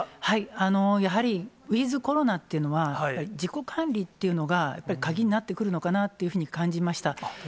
やはりウィズコロナっていうのは、自己管理っていうのがやっぱり鍵になってくるのかなというふうに感じました。